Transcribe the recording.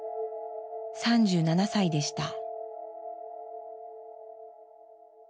３７歳でした。